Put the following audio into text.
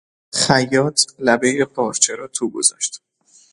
خیاط لبهٔ پارچه را تو گذاشت.